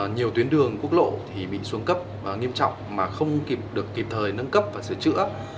nhiều tuyến đường quốc lộ thì bị xuống cấp nghiêm trọng mà không kịp được kịp thời nâng cấp và sửa chữa